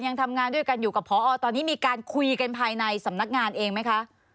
ยังทำงานด้วยกันอยู่กับพอตอนนี้มีการคุยกันภายในสำนักงานเองไหมคะ